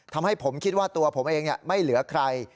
ทำให้ผมคิดว่าตัวผมเองไม่เหลือใคร